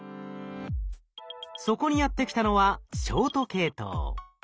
そこにやって来たのはショート系統。